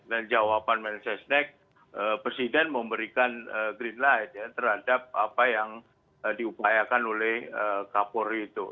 dan jawaban mensesnek presiden memberikan green light ya terhadap apa yang diupayakan oleh kapolri itu